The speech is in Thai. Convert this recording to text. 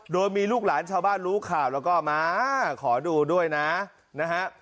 โดยมีลูกหลานชาวบ้านรู้ข่าวแล้วก็มาขอดูด้วยนะนะฮะ